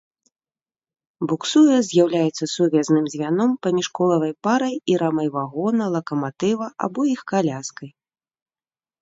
Буксуе з'яўляецца сувязным звяном паміж колавай парай і рамай вагона, лакаматыва або іх каляскай.